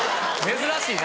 珍しいな。